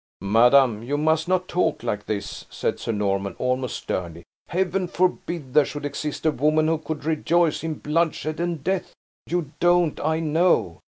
"Madame, you must not talk like this!" said Sir Norman, almost sternly. "Heaven forbid there should exist a woman who could rejoice in bloodshed and death. You do not, I know.